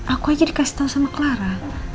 aku aja dikasih tahu sama clara